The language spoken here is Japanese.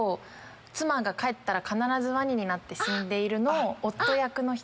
「妻が帰ったら必ずワニになって死んでいる」の夫役の人。